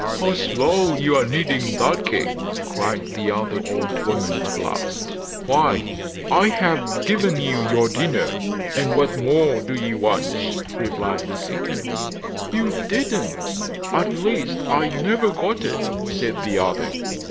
'How slow you are kneading that cake,' cried the other old woman at last. 'Why, I have given you your dinner, and what more do you want?' replied the second. 'You didn't; at least I never got it,' said the other.